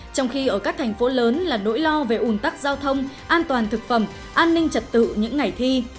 trong khi ở các thành phố lớn là nỗi lo về ủn tắc giao thông an toàn thực phẩm an ninh trật tự những ngày thi